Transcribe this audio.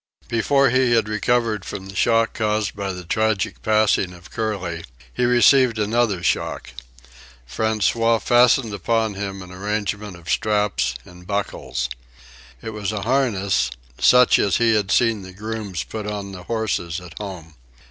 Before he had recovered from the shock caused by the tragic passing of Curly, he received another shock. François fastened upon him an arrangement of straps and buckles. It was a harness, such as he had seen the grooms put on the horses at home.